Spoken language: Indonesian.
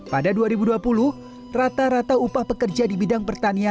pada dua ribu dua puluh rata rata upah pekerja di bidang pertanian